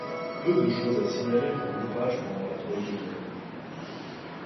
Peu de choses à signaler pour l'ouvrage pendant la drôle de guerre.